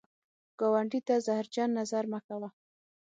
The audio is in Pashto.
ګاونډي ته زهرجن نظر مه کوه